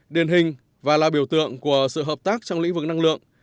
điển hình và là biểu tượng của sự hợp tác trong lĩnh vực năng lượng